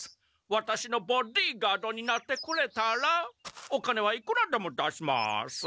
ワタシのボディーガードになってくれたらお金はいくらでも出します。